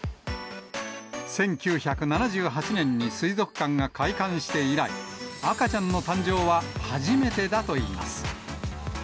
１９７８年に水族館が開館して以来、赤ちゃんの誕生は初めてだといいます。